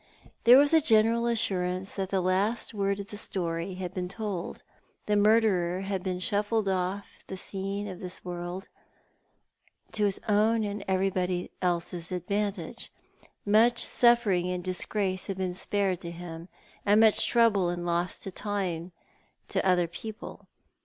There was a general assurance that the last word of the story had been told. The murderer had been shuffled oflf the scene of this world, to his own and everybody else's advantage. Much suffering and disgrace had been spared to him, and much trouble and loss of time to other people.